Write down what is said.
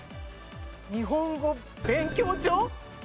『日本語勉強帳』？